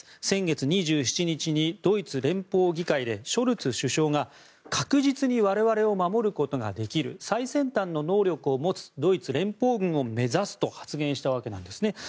先月２７日にドイツ連邦議会でショルツ首相が確実に我々を守ることができる最先端の能力を持つドイツ連邦軍を目指すと発言したわけなんですね。